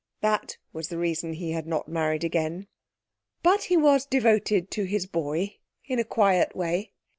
That was the reason he had not married again. But he was devoted to his boy in a quiet way.